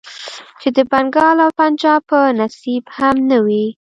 چې د بنګال او پنجاب په نصيب هم نه وې.